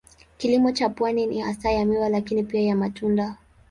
Kilimo cha pwani ni hasa ya miwa lakini pia ya matunda.